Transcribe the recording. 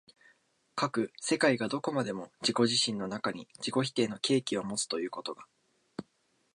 斯く世界がどこまでも自己自身の中に自己否定の契機をもつということが、